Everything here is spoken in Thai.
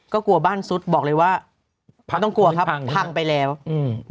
ก็กลัวบ้านซุดบอกเลยว่าพระต้องกลัวครับพังไปแล้วอืม